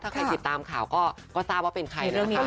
ถ้าใครติดตามข่าวก็ทราบว่าเป็นใครแล้วนะคะ